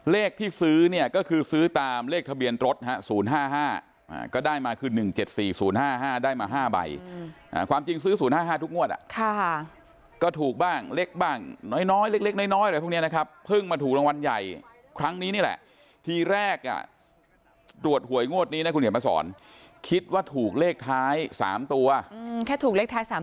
เลขที่ซื้อนี่ก็คือซื้อตามเลขทะเบียนตรศภาษาภาษาภาษาภาษาภาษาภาษาภาษาภาษาภาษาภาษาภาษาภาษาภาษาภาษาภาษาภาษาภาษาภาษาภาษาภาษาภาษาภาษาภาษาภาษาภาษาภาษาภาษาภาษาภาษาภาษาภาษาภ